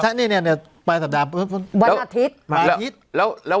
ใช่ปลายสัปดาห์